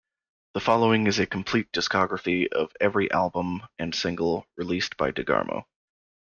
The following is a complete discography of every album and single released by DeGarmo.